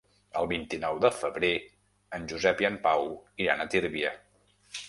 El vint-i-nou de febrer en Josep i en Pau iran a Tírvia.